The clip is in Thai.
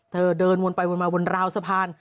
เธอเดินวนไปวนมาวนราวสภาล